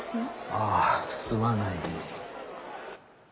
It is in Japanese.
ああすまないね。